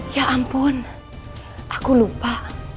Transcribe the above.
ya ampun aku lupa